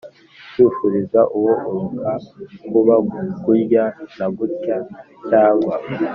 kw ifuriza uwo uruka kuba gurya na gutya, cyangwa